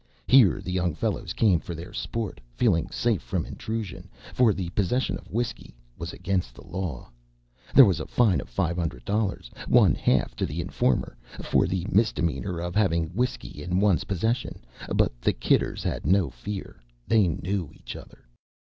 Here the young fellows came for their sport, feeling safe from intrusion, for the possession of whiskey was against the law. There was a fine of five hundred dollars one half to the informer for the misdemeanor of having whiskey in one's possession, but the Kidders had no fear. They knew each other.